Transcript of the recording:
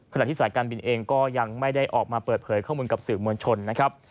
ที่สายการบินเองก็ยังไม่ได้ออกมาเปิดเผยข้อมูลกับสื่อมวลชนนะครับ